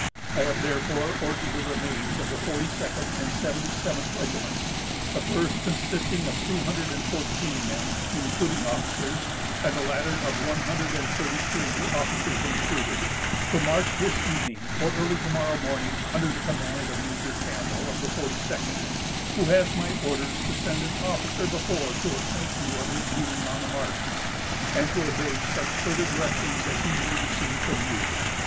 I have therefore ordered the remains of the 42d and 77th regiments——the first consisting of two hundred and fourteen men, including officers, and the latter of one hundred and thirty three, officers included——to march this evening or early to morrow morning, under the command of Major Campbell of the 42d, who has my orders to send an officer before to acquaint you of his being on the march, and to obey such further directions as he may receive from you....